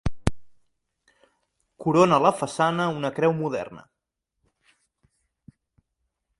Corona la façana una creu moderna.